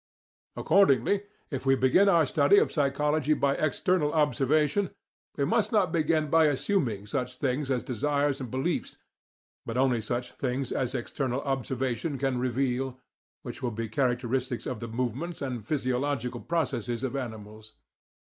Accordingly, if we begin our study of psychology by external observation, we must not begin by assuming such things as desires and beliefs, but only such things as external observation can reveal, which will be characteristics of the movements and physiological processes of animals.